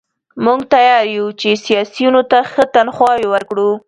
موږ تیار یو چې سیاسیونو ته ښې تنخواوې ورکړو.